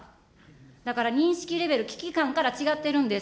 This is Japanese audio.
だから認識レベル、危機感から違っているんです。